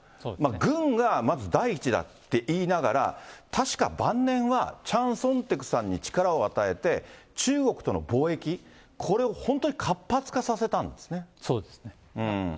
軍がまず第一だって言いながら、確か晩年は、チャン・ソンテクさんに力を与えて、中国との貿易、これを本当にそうですね。